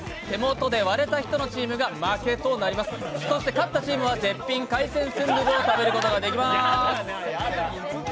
勝ったチームは絶品海鮮スンドゥブを食べることができます。